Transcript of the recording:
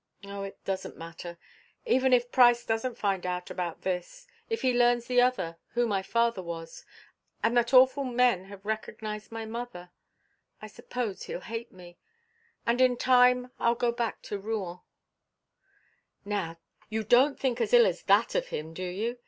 "Oh, it doesn't matter. Even if Price doesn't find out about this, if he learns the other who my father was, and that awful men have recognized my mother I suppose he'll hate me, and in time I'll go back to Rouen " "Now, you don't think as ill as that of him, do you?